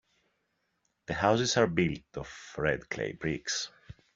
The houses are built of red clay bricks.